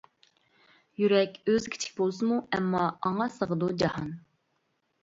يۈرەك ئۆزى كىچىك بولسىمۇ، ئەمما ئاڭا سىغىدۇ جاھان.